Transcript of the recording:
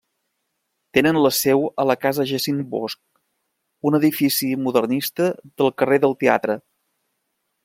Tenen la seu a la casa Jacint Bosch, un edifici modernista del carrer del Teatre.